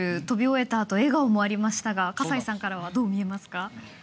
飛び終えた後笑顔もありましたが葛西さんからはどう見ますか？